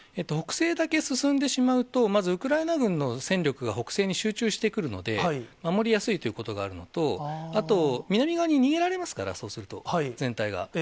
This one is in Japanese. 北西だけ進んでしまうと、まずウクライナ軍の戦力が北西に集中してくるので、守りやすいということがあるのと、あと、南側に逃げられますから、そうすると、全体が。